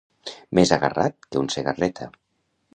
Més agarrat que un Segarreta.